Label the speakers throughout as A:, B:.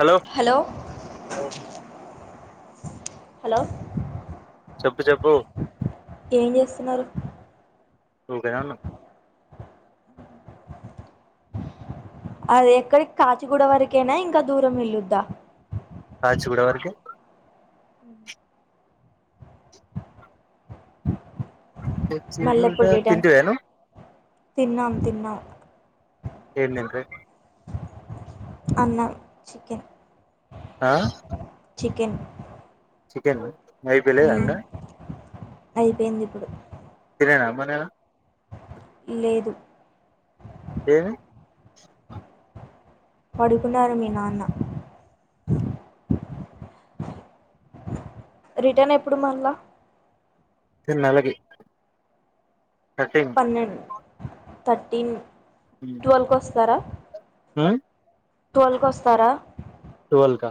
A: Hello
B: hello hello
A: చెప్పు చెప్పు
B: ఏం జెస్తున్నారు
A: నువ్వు దెయణ్ణ
B: అది ఎక్కడికి కాచిగూడ వరకేనా ఇంకా దూరం ఉండిదా
A: కాచిగూడ వరకే కాచిగూడ
B: మల్లెపుడిటన్
A: తింటివా నువ్వు
B: తిన్నాం తిన్నాం
A: ఎందక్కయ్
B: అన్న చికెన్
A: ఆ
B: చికెన్
A: చికెన్ ఐ పెెళ్ళే దంట
B: అయిపేయింది ఇప్పుడు
A: తినేదమ్మ నేను
B: లేదు
A: [unintelligible]
B: పడుకున్నారు మి నాన్న రిటర్నేప్పుడు మల్ల
A: తిన్నేళ్ళకి
B: పన్నెండ్ థట్టిన్ ట్వావ్ల్ కోస్ సర
A: అయ్
B: ట్వల్ కొస్తారా
A: టువెల్క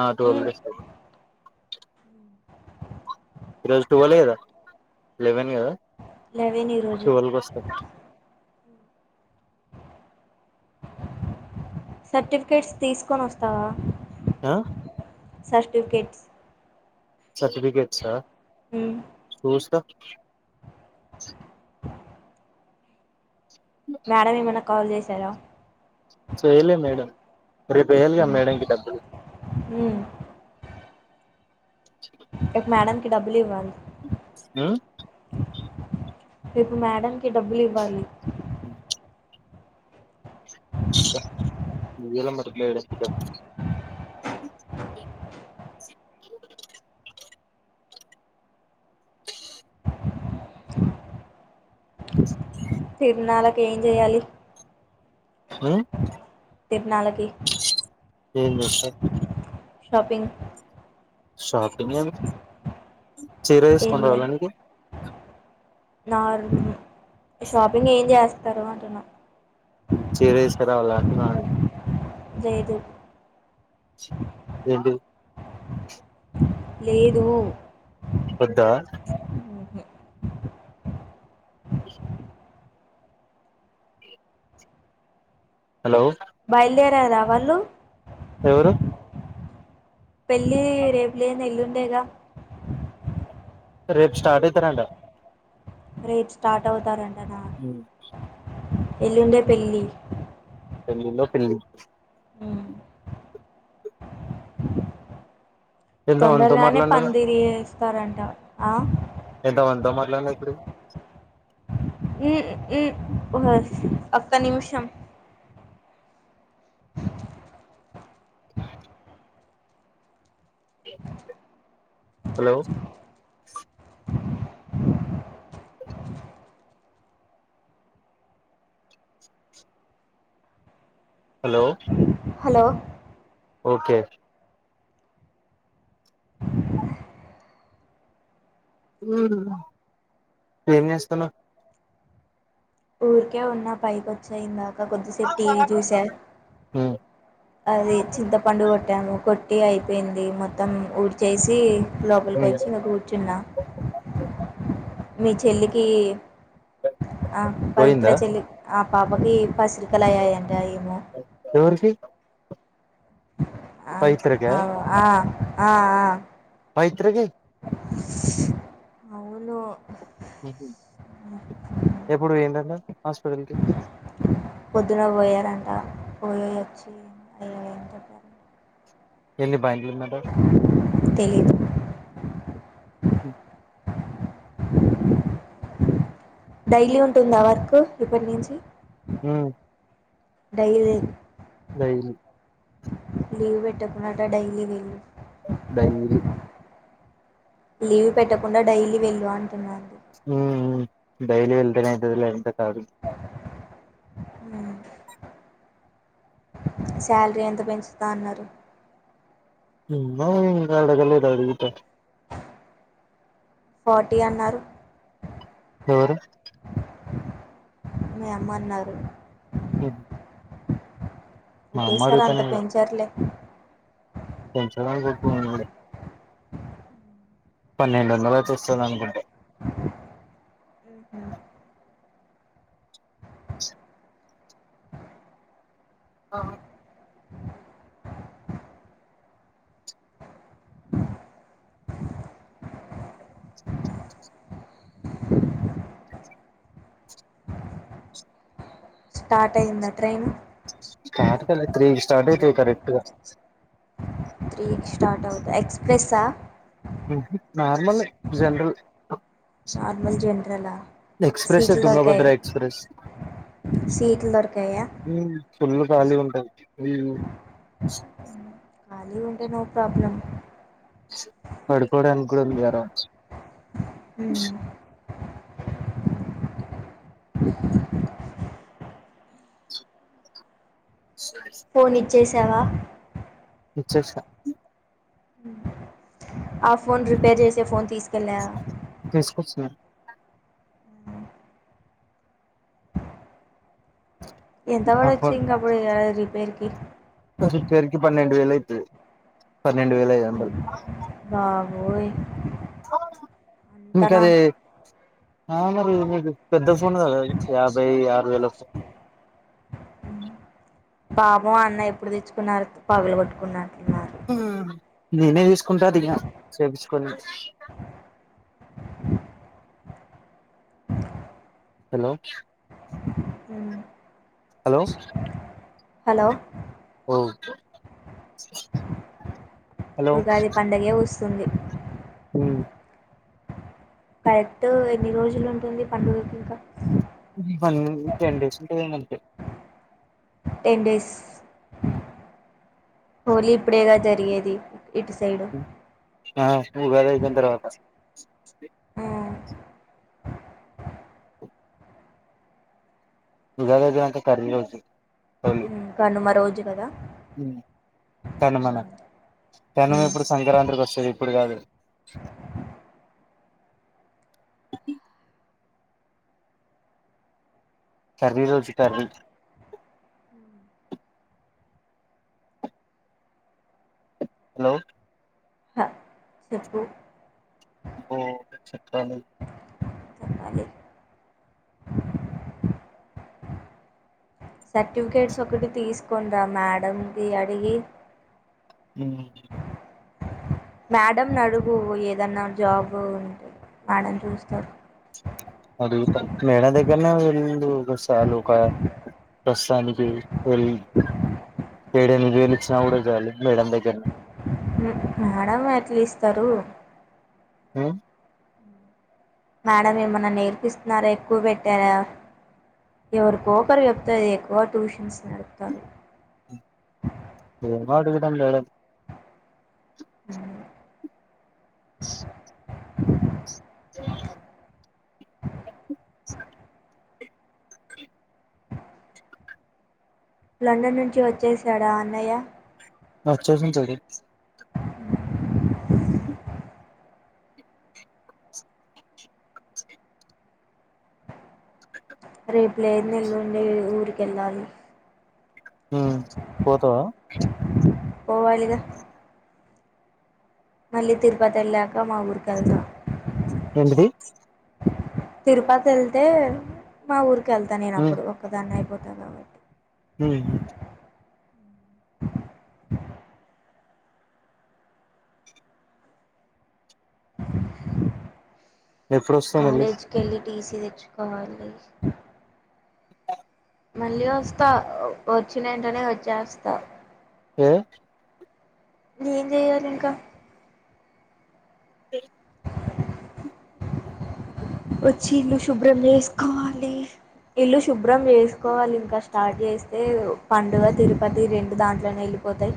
A: ఆ టువేల్క్ అస్తారు ఈ రోజ్ టువలే గదా లెవెన్ గదా
B: లెవెన్ ఈ రోజు సర్టిఫికేట్స్ తీస్కొనొస్తావా
A: ఆహ్
B: సర్టిఫికెట్స్
A: సర్టిఫికేట్స్ ఆ
B: ఉం
A: చుస్తా
B: మ్యాడమ్ ఏ మన కాల్ జేశారా
A: రేప్ వేయాలిగా మేడమ్ కి డబ్బులు
B: ఉమ్ ఎప్ మేడమ్ కి డబ్బులు ఇవ్వాలి
A: ఉమ్
B: రేపు మేడమ్ కి డబ్బులివ్వాలి
A: [unintelligible] యేర్ అమ్మ కుట్లేయడం
B: తిర్నళ్కి ఏం చెయ్యాలి
A: హుమ్
B: తిర్నాళకి
A: ఉ ముతక్
B: షాపింగ్
A: షాపింగ్ ఎము చీర తీసుకుని రావాలా నీకు
B: నాలుగు షాపింగ్ ఏం చేస్ తరవాంటున
A: నిక్ చీర తీస్కారావాలా అన్ [unintelligible]
B: జేదు
A: ఏంటిది
B: లేదు
A: వద్దా
B: ఉహు
A: హలో
B: బయలుదేరరా వాళ్ళు
A: ఎవరు
B: పెళ్లి రేపు లేదు ఏల్లుండేగా
A: రేపు స్టార్ట్ అయితారంట
B: రేపు స్టార్ట్ అవుతారండది
A: మీరు
B: ఎల్లుండే పెళ్లి
A: పెళ్లిలో పిల్లి
B: ఉ
A: ఎంత మనతో
B: తొందరగానే
A: మాట్లాడినారు
B: పందిరి ఏస్ త్తరంట ఆ
A: ఎంత మనతో మాట్లాడినారు ఇప్పుడు
B: ఉ ఉ ఓసి ఒక్క నిమిషం
A: హలో హలో
B: హలో
A: ఓకే ఉ ఏం చేస్తున్నావు
B: ఊరికే ఉన్నా పైకి వచ్చ ఇందాకా ఇంకా కొద్దిసేపు టీవీ చూసా అది చింతపండు కొట్టాము కొట్ టే అయిపోయింది మొత్తం ఊడుచేసి లోపలికి వచ్చి ఈమె కూర్చున్నా మీ చెల్లికి ఆ పవిత్ర
A: పోయిందా
B: చెల్లి ఆ పాపకి పసిరికలు అయ్యానాన్ టైమ్
A: ఎవరికి
B: ఆ
A: పవిత్రకా
B: అవ ఆ ఆ ఆ
A: వైత్రగి
B: అవును
A: ఎప్పుడు వేయిందట హాస్పిటల్ కి
B: అ పోయే వచ్చి అయ్యే చెప్పలి
A: ఎన్ని బాంగళూరు మడ
B: తెలీదు
A: హ
B: డైలీ ఉంటుందా వర్క్ ఇప్పటి నుంచి
A: హ
B: డైలి
A: డైలీ
B: లీవ్ పెట్టకుంటా డైలీ వెళ్లు
A: డైలీ
B: లీవ్ పెట్టకుండా డైలీ వెళ్ళు అంటున్నా
A: ఉ ఉ డైలీ వెళ్తానే అయితది లేకుంటే తడు
B: అ సాలరీ ఎంత పెంచుతా అన్నారు
A: మో ఇంకా అడగలే అడుగుతా
B: ఫార్టీ అన్నారు
A: ఎవరు
B: మీ అమ్మ అన్నారు
A: ఇద్
B: ఓకే సారీ అంత పెంచర్లే
A: పెంచాల అనుకుంటూ ఉండుడే పన్నెండు వందలు వచ్చేస్తది అనుకుంటా ఆ
B: స్టార్ట్ అయ్యిందా ట్రైన్
A: స్టార్ట్ కాలే త్రి కి స్టార్ట్ అయితది కరెక్ట్ గా
B: త్రీకి స్టార్ట్ అవుతదా ఎక్స్ప్రెస్సా
A: నార్మలే జనరల్
B: నార్మల్ జనరలా
A: ఎక్స్ప్రెస్
B: సీట్లు
A: తుంగభద్ర
B: దొరకాయా
A: ఎక్స్ప్రెస్
B: సీట్లు దొరకాయా
A: ఫుల్ ఖాళీ ఉంటది ఉ
B: ఖాళీ ఉంటే నో ప్రాబ్లం
A: పడుకోవడానికి కూడా ఉంది కదా [inaudible]
B: చేసావా
A: ఇచ్చేసా
B: ఆ ఫోన్ రిపేర్ చేసే ఫోన్ తీసుకు
A: తీసుకువస్తున్న
B: ఎంట వడి
A: ఆ
B: వచ్చి
A: ఫోన్
B: ఇంక అప్పుడు ఇగా రిపేర్ కి ర్
A: రిపేర్ కి పన్నెండు వేలు అయితది పన్నెండు వేల ఐదు వందలు
B: బాబోయి
A: ఇంకా అది ఆ మరి మీకు పెద్ద ఫోన్ కదా యాభై ఆరు వేల ఫోన్
B: పాపం అన్న ఎప్పుడు తెచ్చుకున్నారు పగులు కొట్టుకున్నారు ఎట్లనో
A: నేనే తీసుకుంటా అదిగ చేయించుకొని హలో
B: ఉమ్
A: హలో
B: హలో
A: ఓ
B: ఉగాది పండగే వస్తు తుంది
A: హ్మ్
B: కరెక్ట్ ఎన్ని రోజులు ఉంటది పండుగకి ఇంక
A: వన్ టెన్ డేస్ ఉంటే అంతే
B: టెన్ డేస్
A: డి
B: హోలీ అప్పుడేగా జరిగేది ఇటు సైడు
A: ఆఊగాది ఐయిపోయిన తర్వాత
B: ఆ
A: ఇజగాది అంత కర్మి రజు చ
B: ఇంకనుమ రోజు కదా
A: ఉమ్ తనుమన తను
B: ఉమ్
A: ఇప్పుడు సంక్రాంతికి వస్తుంది ఇప్పుడు కాదు తగింధి కర్ర రోజు కర్రి హలో
B: హ చెప్పు
A: బో చెప్పాలి
B: చెప్పాలి సర్టిఫికేట్స్ ఒకటి తీసుకోని రా మేడంకిి అడిగి
A: ఉమ్
B: మేడం నడుగు ఏదన్నా జాబు ఉంటే మేడం చూస్తారు
A: అది మేడం దగ్గరనే వెళ్ళ ఒకసాలు ఒక ప్రస్తుతానికి వెళ్ ఏడు ఎనిమిది వేలు ఇచ్చినా కూడా చయాలి మేడం దగ్గరనే
B: మడం ఎట్లా ఇస్తారు
A: ఉ
B: మేడం ఏమన్నా నేర్పిస్తున్నారా ఎక్కువ పెట్టారా ఎవరికొకరికి చెప్తదీ ఎక్కువ ట్యూషన్స్ నడుపుతారు
A: ఏమో అడుగుదాం మేడం
B: ఉమ్
A: [unintelligible]
B: లండన్ నుంచి వచ్చేశాడా అన్నయ్య
A: ఆ వచ్చేసి ఉంటాడు
B: రేపు లేదు నేల్లుండే ఊరికెళ్ళాలి
A: ఉమ్ పోతావా
B: పోవాలిగా మళ్ళీ తిరుపతి ఎళ్ళాక మా ఊరికె ళ్దాం
A: ఎంటిది
B: తిరుపతి వెళ్తే మా ఊరు వెళ్తానేనప్పుడు ఒక దాన్ని అయిపో ఉంటాం గాబట్టి
A: హ్ హు ఎప్పుడొస్తావ్ మళ్ళీ
B: కాలేజ్కి వెళ్ళి టీసీ తెచ్చు కోవాలీ మళ్ళీ వస్తా వచ్చిన ఏంటనే వచ్చేస్తా
A: ఏ
B: ఏం చేయాలి ఇంకా వచ్చి ఇల్లు శుభ్రం చేసుకోవాలి. ఇల్లు శుభ్రం చేసుకోవాలి. ఇంకా స్టార్ట్ చేస్తే పండుగ తిరుపతి రెండు దాంట్లనే ఏళ్ళిపోతాయి.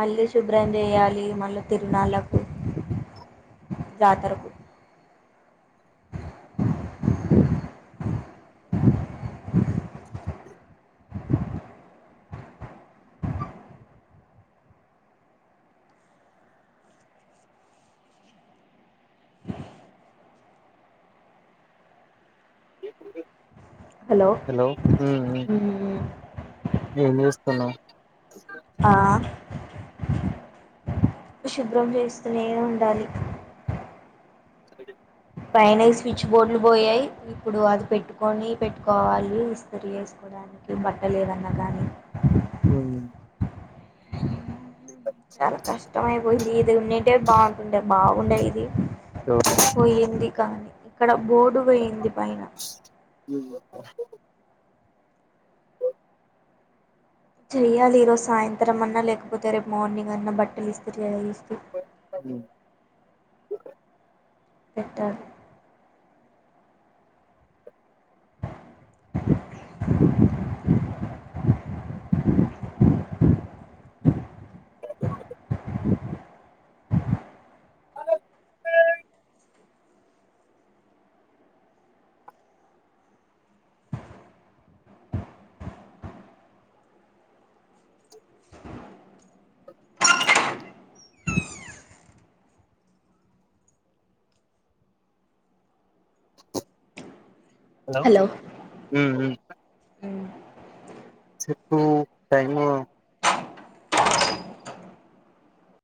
B: మళ్ళీ భ్రం చేయాలి మళ్ళీ తిరునాళ్ళకు జాతరకు హలో
A: ఉమ్ ఉమ్
B: హ్
A: ఏం జేస్తున్నావ్
B: ఆ శుభ్రం చేస్తూనే ఉండాలి.
A: సాటర్డే
B: పైన ఈ స్విచ్ బోర్డులు పోయాయి. ఇప్పుడు అది పెట్టుకొని పెట్టుకోవాలి ఇస్త్రీ చేసుకోవడానికి బట్టలేదన్న గాని
A: ఉమ్
B: చాల కష్టమైపోయింది ఉన్నుంటే బాగుంటుండే బావ్ ఉండే ఇది పొయ్యింది కానీ ఇక్కడ బోర్డు పొయ్యింది పైన చెయ్యాలి. ఈరోజు సాయంత్రం అన్నా లేకపోతే రేపు మార్నింగ్ అన్నా బట్టలు ఇస్త్రీ చేయాలి ఇస్త్రీ పెట్టారు
A: హలో ఉ ఉ
B: ఉమ్
A: చెప్పు టైము